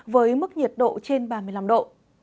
độ trên ba mươi năm độ